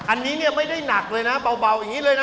อันนี้เนี่ยไม่ได้หนักเลยนะเบาอย่างนี้เลยนะ